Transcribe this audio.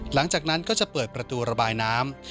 หลังจากนั้นก็จะเปิดประตูระบายน้ำ